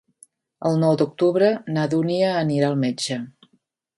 El nou d'octubre na Dúnia anirà al metge.